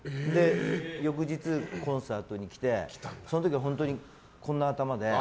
翌日、コンサートに来てその時、本当にこんな頭で。